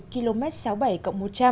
km sáu mươi bảy cộng một trăm linh